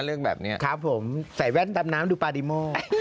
เรื่องแบบเนี้ยครับผมใส่แว๊ตตามน้ำดูปลาดิโม่